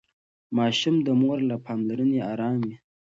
ماشوم د مور له پاملرنې ارام وي.